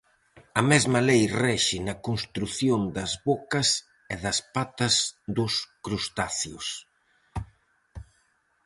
A mesma lei rexe na construción das bocas e das patas dos crustáceos.